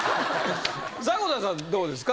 迫田さんどうですか？